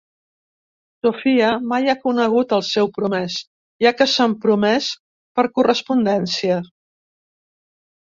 Sofia mai ha conegut al seu promès, ja que s'han promès per correspondència.